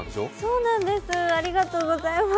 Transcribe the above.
そうなんです、ありがとうございます。